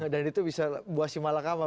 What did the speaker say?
dan itu bisa buasi malak apa